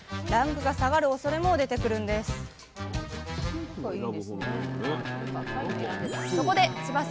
ランクが下がる恐れも出てくるんです